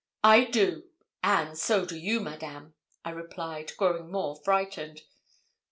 'I do, and so do you, Madame,' I replied, growing more frightened.